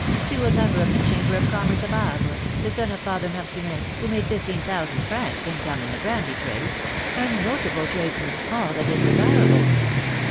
^^To a member of the Chamber of Commerce of H^vre, the son of Father Martinet, who made fifteen thousand francs income in the brandy trade — a notable tradesman, all that is desirable."